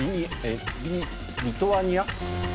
リトアニア？